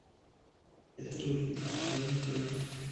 Es el anfitrión de "Bollywood Ka Boss".